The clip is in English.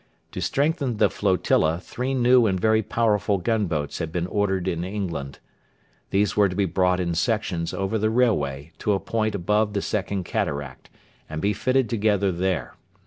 To strengthen the flotilla three new and very powerful gunboats had been ordered in England. These were to be brought in sections over the railway to a point above the Second Cataract, and be fitted together there.